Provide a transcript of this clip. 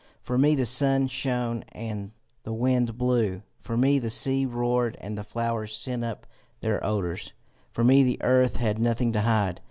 For me the sun shone and the wind blew; for me the sea roared and the flowers sent up their odours. For me the earth had nothing to hide.